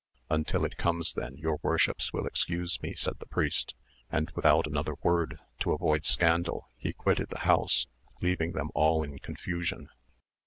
"Until it comes then, your worships will excuse me," said the priest, and without another word, to avoid scandal, he quitted the house, leaving them all in confusion.